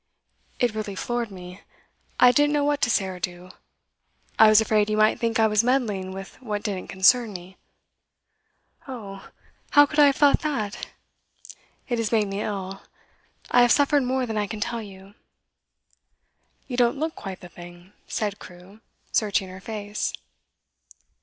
'It really floored me. I didn't know what to say or do. I was afraid you might think I was meddling with what didn't concern me.' 'Oh, how could I have thought that? It has made me ill; I have suffered more than I can tell you.' 'You don't look quite the thing,' said Crewe, searching her face.